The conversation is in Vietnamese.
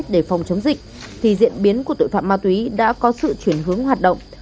để phòng chống dịch thì diễn biến của tội phạm ma túy đã có sự chuyển hướng hoạt động